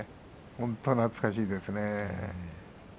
本当、懐かしいですね。